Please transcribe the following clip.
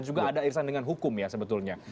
juga ada irisan dengan hukum ya sebetulnya